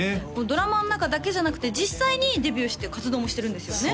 ドラマの中だけじゃなくて実際にデビューして活動もしてるんですよね？